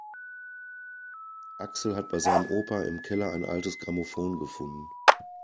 Axel hat bei seinem Opa im Keller ein altes Grammophon gefunden.